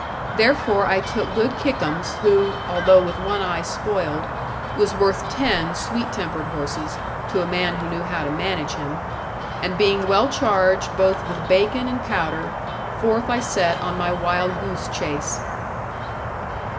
Therefore I took good Kickums, who (although with one eye spoiled) was worth ten sweet tempered horses, to a man who knew how to manage him; and being well charged both with bacon and powder, forth I set on my wild goose chase.